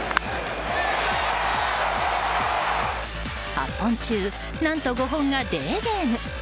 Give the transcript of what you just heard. ８本中、何と５本がデーゲーム。